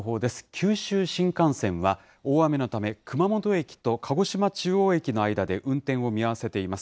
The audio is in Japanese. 九州新幹線は、大雨のため、熊本駅と鹿児島中央駅の間で運転を見合わせています。